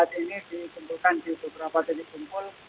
saat ini ditentukan di beberapa titik kumpul